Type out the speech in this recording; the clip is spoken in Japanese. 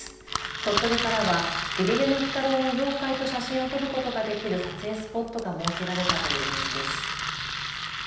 鳥取からは、ゲゲゲの鬼太郎の妖怪と写真を撮ることができる撮影スポットが設けられたというニュースです。